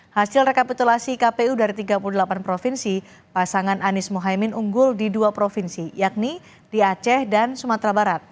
hasil rekapitulasi kpu dari tiga puluh delapan provinsi pasangan anies mohaimin unggul di dua provinsi yakni di aceh dan sumatera barat